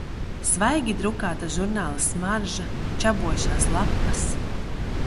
Svaigi drukāta žurnāla smarža, čabošās lapas...